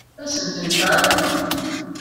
Ad sent-tent-tɛeṛḍem?